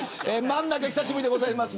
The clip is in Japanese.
真ん中、久しぶりです。